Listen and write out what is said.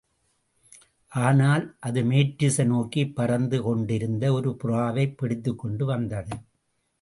ஆனால் அது மேற்றிசை நோக்கிப் பறந்து கொண்டிருந்த ஒரு புறாவைப் பிடித்துக்கொண்டு வந்தது.